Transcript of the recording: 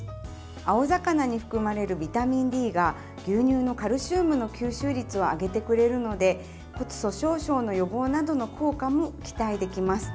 青魚に含まれるビタミンＤが牛乳のカルシウムの吸収率を上げてくれるので骨粗しょう症の予防などの効果も期待できます。